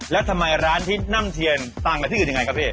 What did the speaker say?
แล้วทำไมร้านที่นำเทียนต่างกับที่อื่นยังไงครับพี่